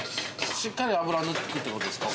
しっかり油抜くってことですか？